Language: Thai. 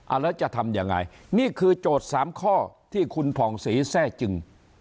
แล้วจะทำยังไงนี่คือโจทย์สามข้อที่คุณผ่องศรีแทร่จึง